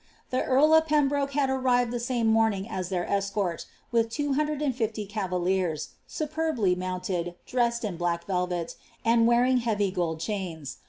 The earl of Pembroke hd arrived the same morainf aa their escort, with twro hnodred and fiftf cavaliers, eupedbiy mounted, dreased in black velvet, and weaiiog hmtf gold chains.